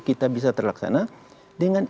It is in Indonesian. kita bisa terlaksana dengan